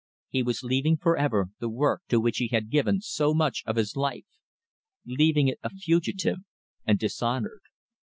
He was leaving forever the work to which he had given so much of his life, leaving it a fugitive and dishonoured.